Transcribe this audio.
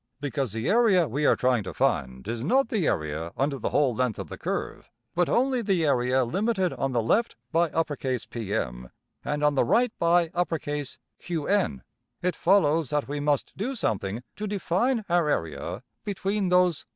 Because the area we are trying to find is not the area under the whole length of the curve, but only the area limited on the left by~$PM$, and on the right by~$QN$, it follows that we must do something to define our area between those `\emph{limits}.'